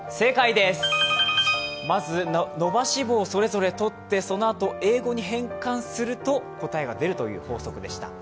まず、「ー」をそれぞれとって英語に変換すると答えが出るという法則でした。